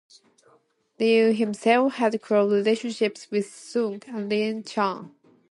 Liu himself had close relationships with Soong and Lien Chan.